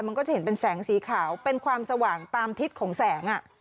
มันก็จะเห็นเป็นแสงสีขาวเป็นความสว่างตามทิศของแสง